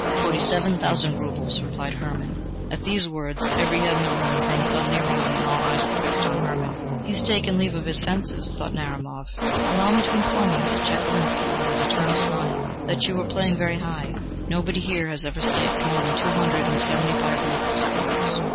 "Forty seven thousand rubles," replied Hermann. At these words every head in the room turned suddenly round, and all eyes were fixed upon Hermann. "He has taken leave of his senses!" thought Narumov. "Allow me to inform you," said Chekalinsky, with his eternal smile, "that you are playing very high; nobody here has ever staked more than two hundred and seventy five rubles at once."